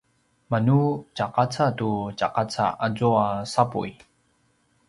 manu tjaqaca tu tjaqaca azua sapuy